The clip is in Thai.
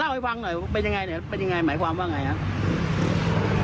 เล่าให้ฟังหน่อยเป็นยังไงหมายความว่าไงฮะ